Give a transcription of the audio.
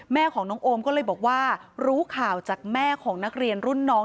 แม่ของน้องโอมก็เลยบอกว่ารู้ข่าวจากแม่ของนักเรียนรุ่นน้อง